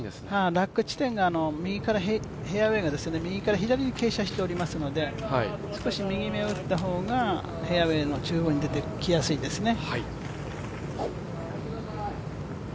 落下地点がフェアウエーが右から、左に傾斜しておりますので少し右目を打った方が、フェアウエーの中央に出てきやすいですね。